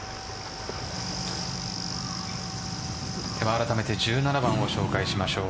あらためて１７番を紹介しましょう。